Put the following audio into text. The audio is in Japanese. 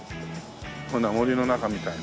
こんな森の中みたいな。